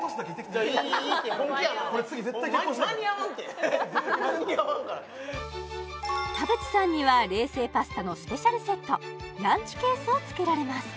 いいって本気やな間に合わんから田渕さんには冷製パスタのスペシャルセットランチケースを付けられます